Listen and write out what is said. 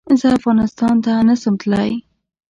زه افغانستان ته نه سم تلی